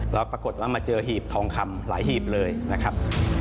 แล้วปรากฏว่ามาเจอหีบทองคำหลายหีบเลยนะครับ